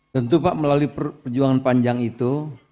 tentu pak melalui perjuangan panjang itu